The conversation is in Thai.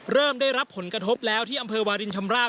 เริ่มได้รับผลกระทบแล้วที่อำเภอวาลินชำราบ